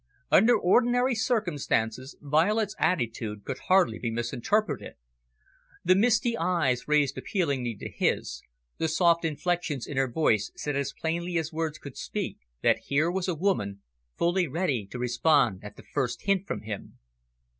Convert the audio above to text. Under ordinary circumstances, Violet's attitude could hardly be misinterpreted. The misty eyes raised appealingly to his, the soft inflections in her voice said as plainly as words could speak that here was a woman fully ready to respond at the first hint from him.